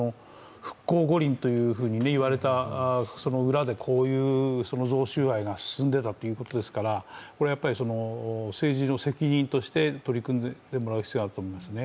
復興五輪というふうにいわれた裏で、こういう贈収賄が進んでいたということですからこれは政治の責任として取り組んでもらう必要があると思いますね。